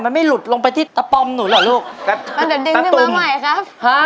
มันไม่หลุดลงไปที่ตะปอมหนูเหรอลูกครับแล้วเดี๋ยวดึงขึ้นมาใหม่ครับฮะ